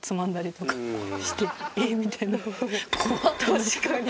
確かに！